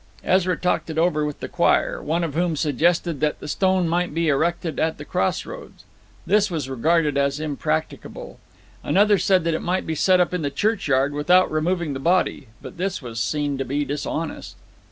Ezra talked it over with the choir; one of whom suggested that the stone might be erected at the crossroads. This was regarded as impracticable. Another said that it might be set up in the churchyard without removing the body; but this was seen to be dishonest.